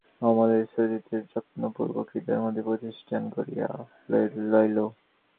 অমলের স্বৃতিকে যত্নপূর্বক হৃদয়ের মধ্যে প্রতিষ্ঠিত করিয়া লইল।